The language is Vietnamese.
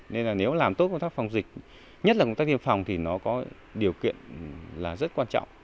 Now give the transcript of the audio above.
nên là nếu làm tốt công tác phòng dịch nhất là công tác tiêm phòng thì nó có điều kiện là rất quan trọng